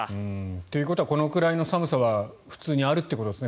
ということはこのくらいの寒さは普通にあるということですね